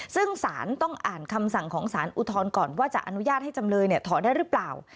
ซึ่งสารต้องอ่านคำสั่งของสารอุทธรณ์ก่อนว่าจะอนุญาตให้จำเลยถอนได้หรือเปล่า